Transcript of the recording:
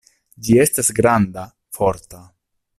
Ĝi estas granda, forta.